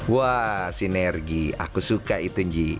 wah sinergi aku suka itu nji